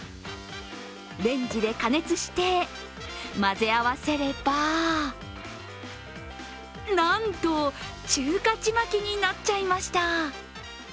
レンジで加熱して、混ぜ合わせればなんと、中華ちまきになっちゃいました。